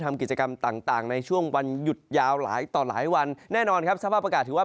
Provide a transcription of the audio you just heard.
ทำกิจกรรมต่างในช่วงวันหยุดยาวหลายต่อหลายวันแน่นอนครับสภาพอากาศถือว่า